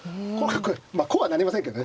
まあこうはなりませんけどね。